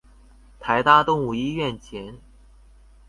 臺大動物醫院前